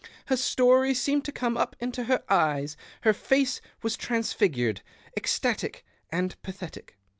Her story seemed to come up into her eyes ; her face was transfigured, ecstatic, and pathetic.